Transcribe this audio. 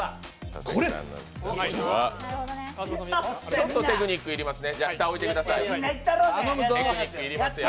ちょっとテクニック要りますよ。